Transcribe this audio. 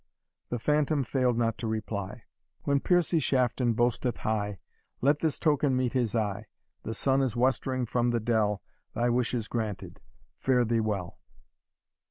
The phantom failed not to reply, "When Piercie Shafton boasteth high, Let this token meet his eye. The sun is westering from the dell, Thy wish is granted fare thee well!"